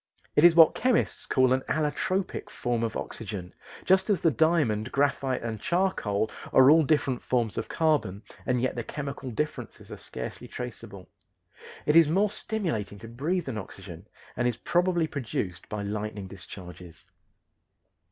It is what chemists call an allotropic form of oxygen, just as the diamond, graphite, and charcoal are all different forms of carbon, and yet the chemical differences are scarcely traceable. It is more stimulating to breathe than oxygen and is probably produced by lightning discharges.